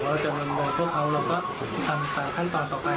เราจะบรรวมพวกเขาเราก็ทำ๓ขั้นตอนต่อไป